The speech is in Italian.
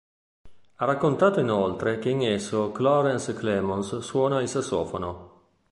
Ha raccontato inoltre che in esso Clarence Clemons suona il sassofono.